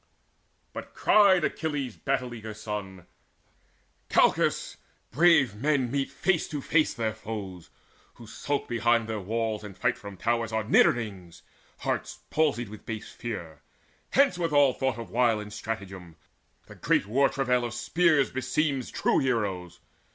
But cried Achilles' battle eager son: "Calchas, brave men meet face to face their foes! Who skulk behind their walls, and fight from towers, Are nidderings, hearts palsied with base fear. Hence with all thought of wile and stratagem! The great war travail of the spear beseems True heroes.